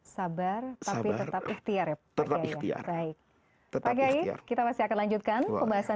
sabar tapi tetap ikhtiar ya pak gaya